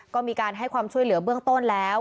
ก็มีการให้ความช่วยเหลือเบื้องต้นแล้ว